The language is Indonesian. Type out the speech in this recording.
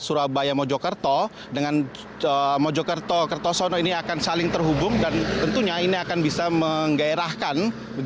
surabaya mojokerto dengan mojokerto kertosono ini akan saling terhubung dan tentunya ini akan bisa menggairahkan